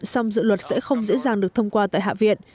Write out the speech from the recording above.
song dự luật sẽ không dễ dàng được thông qua tại hạ viện